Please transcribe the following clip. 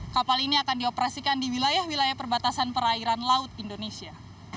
kapal ini akan dioperasikan di wilayah wilayah perbatasan perairan laut indonesia